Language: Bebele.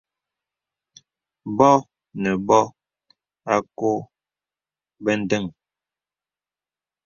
Bɔ̄ nə bɔ̄ à kɔ̄ɔ̄ bə̀ ndəŋ.